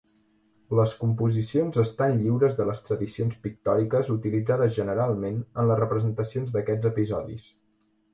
Les composicions estan lliures de les tradicions pictòriques utilitzades generalment en les representacions d'aquests episodis.